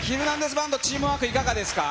バンド、チームワーク、いかがですか。